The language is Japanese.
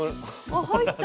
あっ入った。